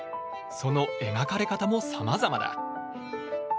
その描かれ方もさまざまだ。